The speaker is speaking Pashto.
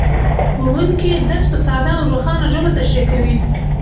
ښوونکی درس په ساده او روښانه ژبه تشریح کوي